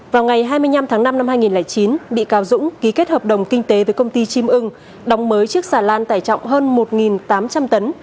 vào ngày hai mươi năm tháng năm năm hai nghìn chín bị cáo dũng ký kết hợp đồng kinh tế với công ty chim ưng đóng mới chiếc xà lan tải trọng hơn một tám trăm linh tấn